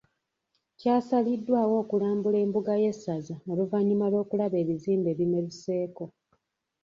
Kyasaliddwawo okulambula embuga y’essaza oluvannyuma lw’okulaba ebizimbe ebimeruseeko.